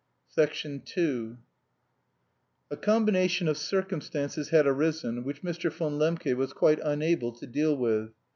II A combination of circumstances had arisen which Mr. von Lembke was quite unable to deal with.